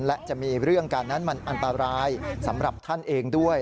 และจะมีเรื่องกันนั้นมันอันตรายสำหรับท่านเองด้วย